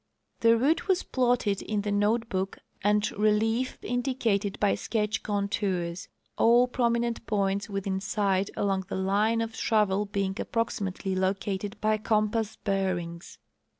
The route was plotted in the note book and relief indicated by sketch contours ; all prominent points within sight along the line of travel being approximately located by compass bearings.